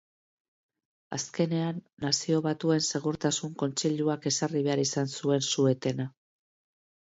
Azkenean Nazio Batuen Segurtasun Kontseiluak ezarri behar izan zuen su-etena.